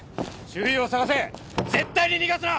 周囲を捜せ絶対に逃がすな！